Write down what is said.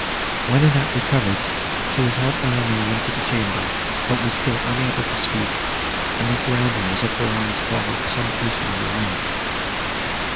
When Annette recovered, she was helped by Emily into the chamber, but was still unable to speak, and looked round her, as if her eyes followed some person in the room.